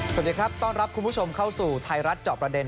สวัสดีครับต้อนรับคุณผู้ชมเข้าสู่ไทยรัฐจอบประเด็น